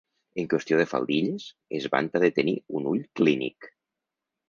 En qüestió de faldilles es vanta de tenir un ull clínic.